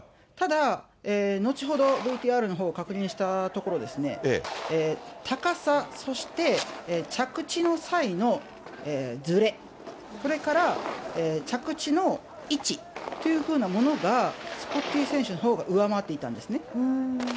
ただ、後ほどＶＴＲのほうを確認したところ、高さ、そして着地の際のずれ、それから着地の位置というふうなものが、スコッティ選手のほうが上回っていたんですね。